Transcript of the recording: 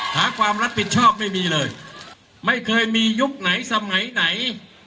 หาความรับผิดชอบไม่มีเลยไม่เคยมียุคไหนสมัยไหน